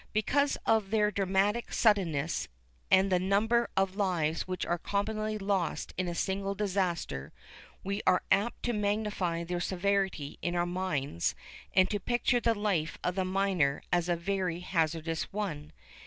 Because of their dramatic suddenness, and the number of lives which are commonly lost in a single disaster, we are apt to magnify their severity in our minds and to picture the life of the miner as a very hazardous one.